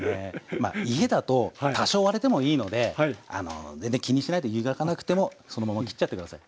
まあ家だと多少割れてもいいので全然気にしないで湯がかなくてもそのまま切っちゃって下さい。